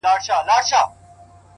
د خپل ژوند عکس ته گوري;